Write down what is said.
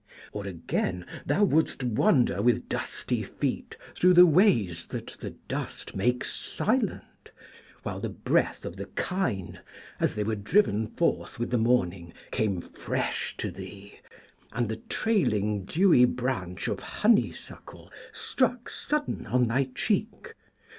Or again thou wouldst wander with dusty feet through the ways that the dust makes silent, while the breath of the kine, as they were driven forth with the morning, came fresh to thee, and the trailing dewy branch of honeysuckle struck sudden on thy cheek.